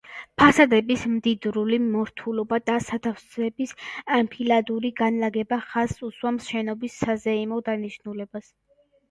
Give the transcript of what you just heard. ფასადების მდიდრული მორთულობა და სათავსების ანფილადური განლაგება ხაზს უსვამს შენობის საზეიმო დანიშნულებას.